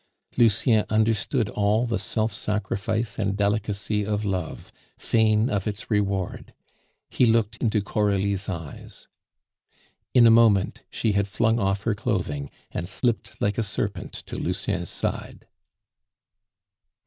Lucien understood all the self sacrifice and delicacy of love, fain of its reward. He looked into Coralie's eyes. In a moment she had flung off her clothing and slipped like a serpent to Lucien's side.